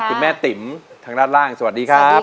คุณแม่ติ๋มทางด้านล่างสวัสดีครับ